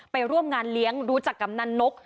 ไปร่วมงานเลี้ยงรู้จักกำนันนก